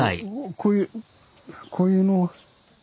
こういうこういうのを。